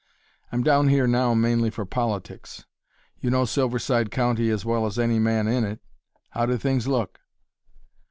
I'm down here now mainly for politics. You know Silverside County as well as any man in it how do things look?"